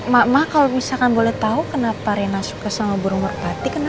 ma ma kalau misalkan boleh tahu kenapa reina suka sama burung merpati kenapa